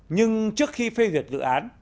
nhưng trước khi phê duyệt dự án